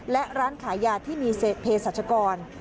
และร้านขายยาที่มีเพศรัชกร